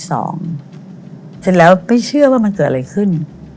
เสร็จแล้วไม่เชื่อว่ามันเกิดอะไรขึ้น